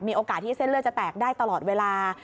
โอกาสที่เส้นเลือดจะแตกได้ตลอดเวลา